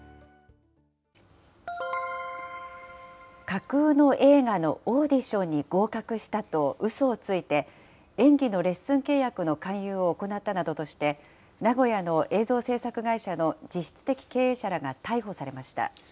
架空の映画のオーディションに合格したとうそをついて、演技のレッスン契約の勧誘を行ったなどとして、名古屋の映像制作会社の実質的経営者らが逮捕されました。